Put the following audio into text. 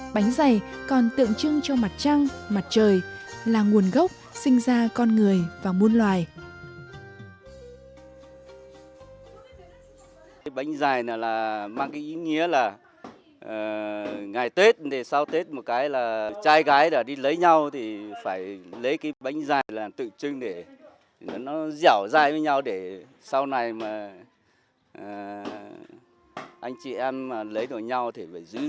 bánh dày còn tượng trưng cho mặt trăng mặt trời là nguồn gốc sinh ra con người và môn loài